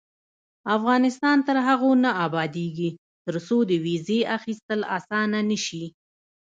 افغانستان تر هغو نه ابادیږي، ترڅو د ویزې اخیستل اسانه نشي.